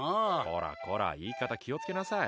こらこら、言い方、気をつけなさい。